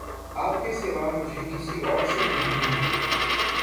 آپ کے سوا مجھے کسی اور سے نہیں ملی